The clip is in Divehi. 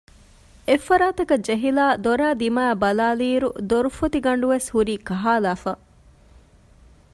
އެއްފަރާތަކަށް ޖެހިލައި ދޮރާ ދިމާއަށް ބަލާލިއިރު ދޮރުފޮތި ގަނޑުވެސް ހުރީ ކަހައިލައިފަ